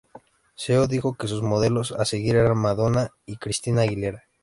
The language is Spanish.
Seo dijo que sus modelos a seguir eran Madonna y Christina Aguilera.